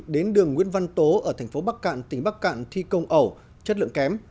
đến đường nguyễn văn tố ở thành phố bắc cạn tỉnh bắc cạn thi công ẩu chất lượng kém